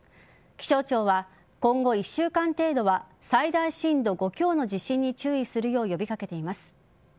気象庁は今後１週間程度は最大震度５強の地震に注意するよう呼び掛けています。